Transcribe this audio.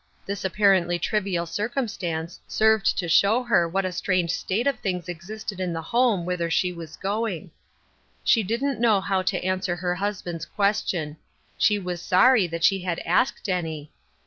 This appar^ ently trivial circumstance served to show her what a strange state of things existed in the home whither she was going. She didn't know how to answer her husband's question. She was sorry that she had asked any.